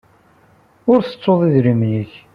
Ur tettuḍ idrimen-nnek.